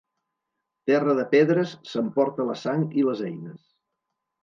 Terra de pedres s'emporta la sang i les eines.